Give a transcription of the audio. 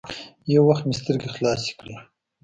يو وخت مې سترګې خلاصې کړې.